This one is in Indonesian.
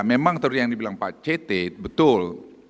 memang yang dibilang pak cetit betul